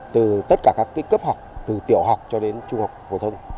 từ tất cả các cấp học từ tiểu học cho đến trung học phổ thông